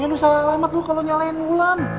ya lu salah alamat kalo nyalain bulan